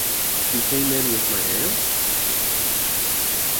She came in with my aunt?